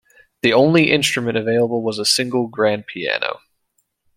The only instrument available was a single grand piano.